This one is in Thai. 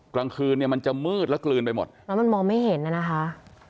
กลางคืนเนี่ยมันจะมืดแล้วกลืนไปหมดแล้วมันมองไม่เห็นน่ะนะคะ